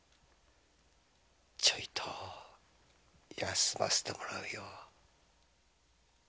ちょいと休ませてもらうよ。